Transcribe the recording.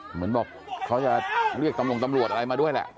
เหมือนบอกเขาจะเรียกตำรวจอะไรมาด้วยแหละ